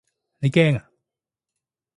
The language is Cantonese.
你驚啊？